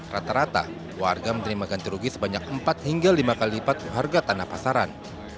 rata rata warga menerima ganti rugi sebanyak empat hingga lima kali lipat harga tanah pasaran